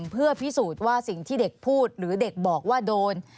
เพื่อพิสูจน์ว่าสิ่งที่เด็กพูดหรือเด็กบอกว่าโดน